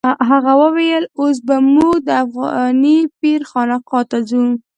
هغه وویل اوس به موږ د افغاني پیر خانقا ته ځو.